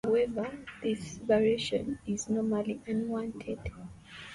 However, this variation is normally unwanted.